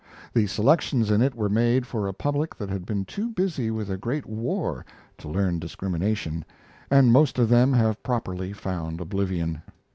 The selections in it were made for a public that had been too busy with a great war to learn discrimination, and most of them have properly found oblivion.